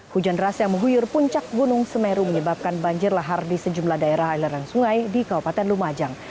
hujan deras yang mengguyur puncak gunung semeru menyebabkan banjir lahar di sejumlah daerah aliran sungai di kabupaten lumajang